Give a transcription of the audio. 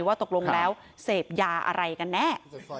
ว่าตกลงแล้วเสพยาอะไรกันแน่